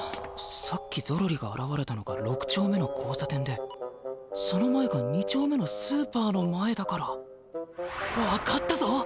さっきゾロリがあらわれたのが６丁目の交さ点でその前が２丁目のスーパーの前だから分かったぞ！